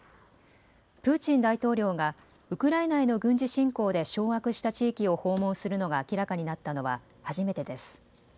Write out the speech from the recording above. プーチン大統領がウクライナへの軍事侵攻で掌握した地域を訪問するのが明らかになったのは初めてです。